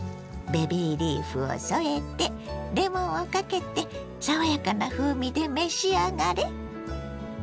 ベビーリーフを添えてレモンをかけて爽やかな風味で召し上がれ。